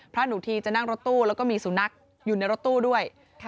หนูทีจะนั่งรถตู้แล้วก็มีสุนัขอยู่ในรถตู้ด้วย